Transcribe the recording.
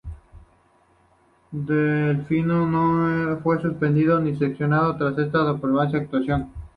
Delfino no fue suspendido ni sancionado tras esta deplorable actuación.